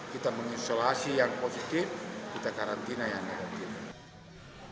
kita mengisolasi yang positif kita karantina yang negatif